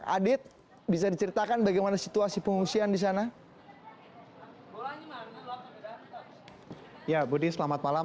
adit bisa diceritakan bagaimana